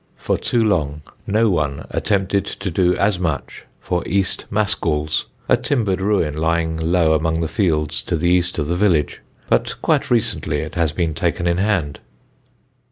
For too long no one attempted to do as much for East Mascalls, a timbered ruin lying low among the fields to the east of the village; but quite recently it has been taken in hand.